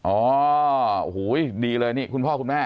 โอ้โหดีเลยนี่คุณพ่อคุณแม่